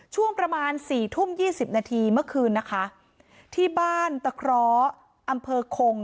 ช่วงประมาณสี่ทุ่มยี่สิบนาทีเมื่อคืนนะคะที่บ้านตะเคราะห์อำเภอคง